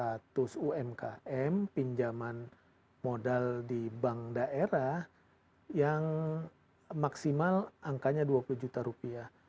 dan untuk seribu lima ratus umkm pinjaman modal di bank daerah yang maksimal angkanya dua puluh juta rupiah